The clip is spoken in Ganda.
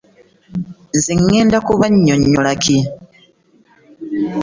Kati ŋŋenda kubannyonnyola ki?